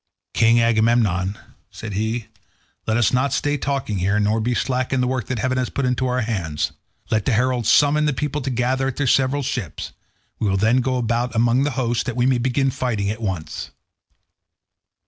"King Agamemnon," said he, "let us not stay talking here, nor be slack in the work that heaven has put into our hands. Let the heralds summon the people to gather at their several ships; we will then go about among the host, that we may begin fighting at once."